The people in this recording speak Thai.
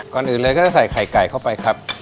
ก่อนอื่นเลยก็จะใส่ไข่ไก่เข้าไปครับ